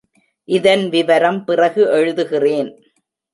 இதன் விவரம் பிறகு எழுதுகிறேன்.